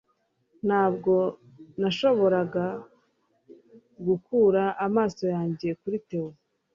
Ntabwo nashoboraga gukura amaso yanjye kuri Theo